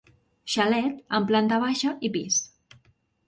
Xalet amb planta baixa i pis.